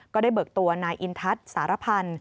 เบิกตัวนายอินทัศน์สารพันธ์